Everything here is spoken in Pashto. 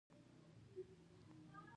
په روانو لیکنو او خوږو خبرو.